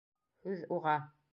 Һүҙ — уға: